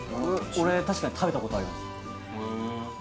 俺確かに食べたことありますへえ